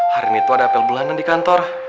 hari ini tuh ada apel bulanan di kantor